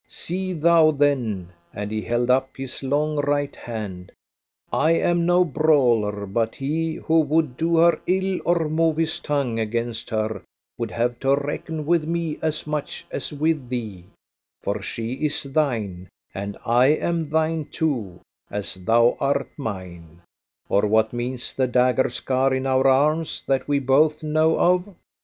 See thou then," and he held up his long right hand, "I am no brawler; but he who would do her ill or move his tongue against her would have to reckon with me as much as with thee, for she is thine and I am thine too, as thou art mine, or what means the dagger scar in our arms that we both know of?"